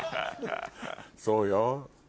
そうよ。